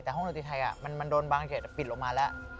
แต่ห้องดนตรีไทยมันโดนบางเขตปิดลงมาแล้ว